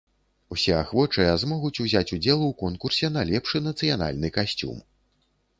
Усе ахвочыя змогуць узяць удзел у конкурсе на лепшы нацыянальны касцюм.